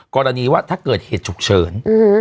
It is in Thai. กรณีว่าถ้าเกิดเหตุฉุกเฉิน